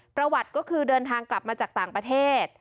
ประวัติก็คือเดินทางกลับมาจากต่างประเทศ